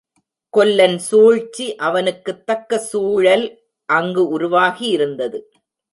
கொல்லன் சூழ்ச்சி அவனுக்குத் தக்க சூழல் அங்கு உருவாகி இருந்தது.